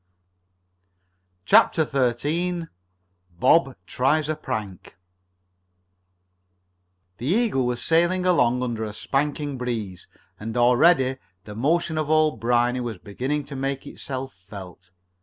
CHAPTER XIII BOB TRIES A PRANK The Eagle was sailing along under a spanking breeze, and already the motion of Old Briny was beginning to make itself felt.